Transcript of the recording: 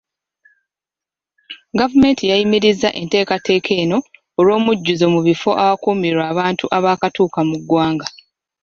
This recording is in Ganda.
Gavumenti yayimiriza enteekateeka eno olw'omujjuzo mu bifo awakuumirwa abantu abaakatuuka mu ggwanga.